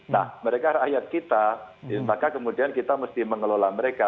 nah mereka rakyat kita maka kemudian kita mesti mengelola mereka